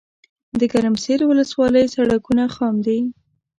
دګرمسیر ولسوالۍ سړکونه خام دي